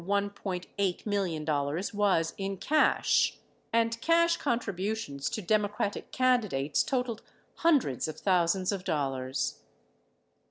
8 million was in cash, 15 and cash contributions to Democratic candidates totaled hundreds of thousands of dollars.